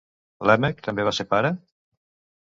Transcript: Lèmec també va ser pare?